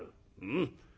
うん。